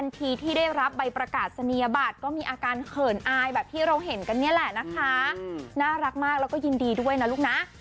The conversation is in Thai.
ที่ได้รับใบประกาศนียบัตรก็มีอาการเขินอายแบบที่เราเห็นกันนี่แหละนะคะน่ารักมากแล้วก็ยินดีด้วยนะลูกนะ